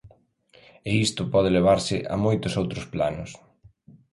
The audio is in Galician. E isto pode levarse a moitos outros planos.